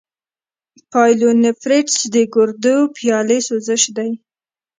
د پايلونیفریټس د ګردو پیالې سوزش دی.